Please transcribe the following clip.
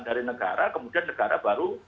dari negara kemudian negara baru